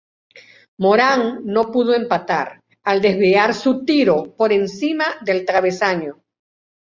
Morán no pudo empatar al desviar su tiro por encima del travesaño.